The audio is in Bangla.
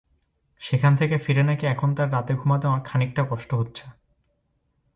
সেখান থেকে ফিরে নাকি এখন তাঁর রাতে ঘুমাতে খানিকটা কষ্ট হচ্ছে।